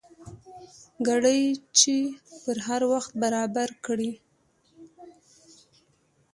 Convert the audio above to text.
ګړۍ چې پر هر وخت برابر کړې.